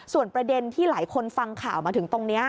ส่วนประเด็นที่หลายคนฟังข่าวมาถึงตรงนี้